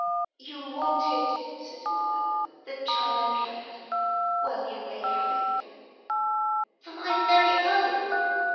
'You wanted,' said mother, 'the China Cat. Well, you may have it.' 'For my very own?'